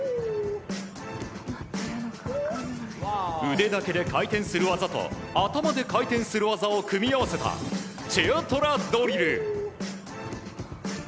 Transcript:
腕だけで回転する技と頭で回転する技を組み合わせたチェアトラドリル。